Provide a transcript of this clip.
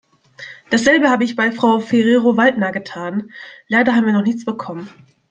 Dasselbe habe ich bei Frau Ferrero-Waldner getan. Leider haben wir noch nichts bekommen.